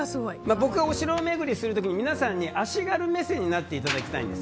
僕はお城巡りする時に皆さんには足軽目線になってもらいたいんです。